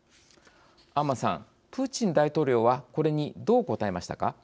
安間さん、プーチン大統領はこれに、どう答えましたか。